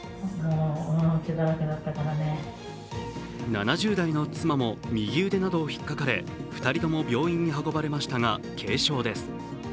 ７０代の妻も右腕などをひっかかれ２人とも病院に運ばれましたが軽傷です。